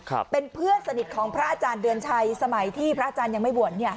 ครับเป็นเพื่อนสนิทของพระอาจารย์เดือนชัยสมัยที่พระอาจารย์ยังไม่บวชเนี่ย